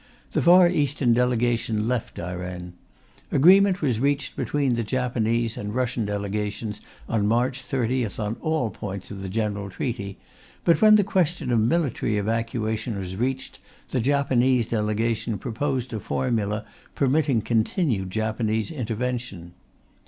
The Far Eastern Delegation left Dairen. Agreement was reached between the Japanese and Russian Delegations on March 30th on all points of the general treaty, but when the question of military evacuation was reached the Japanese Delegation proposed a formula permitting continued Japanese intervention.